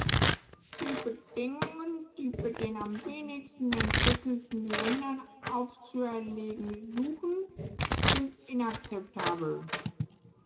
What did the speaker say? Die Bedingungen, die wir den am wenigsten entwickelten Ländern aufzuerlegen suchen, sind inakzeptabel.